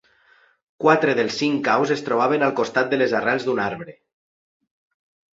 Quatre dels cinc caus es trobaven al costat de les arrels d'un arbre.